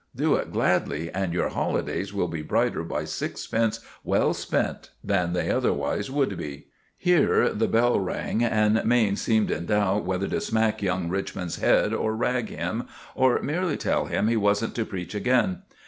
Do it gladly and your holidays will be brighter by sixpence well spent than they otherwise would be." Here the bell rang, and Mayne seemed in doubt whether to smack young Richmond's head or rag him, or merely tell him he wasn't to preach again.